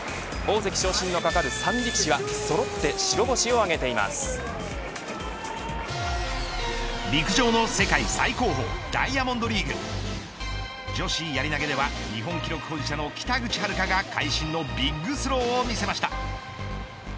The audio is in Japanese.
大関昇進のかかる３力士は陸上の世界最高峰ダイヤモンドリーグ。女子やり投げでは日本記録保持者の北口榛花が会心のビッグスローを見せました。